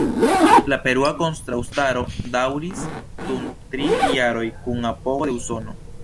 La perua kontraŭstaro daŭris dum tri jaroj, kun apogo de Usono.